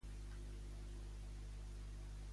I quantes van redactar-les dues persones?